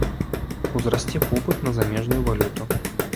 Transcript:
Узрасце попыт на замежную валюту.